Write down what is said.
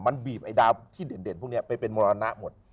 มันบีบไอ้ดาวที่เด่นพวกนี้ไปเป็นมรณะหมด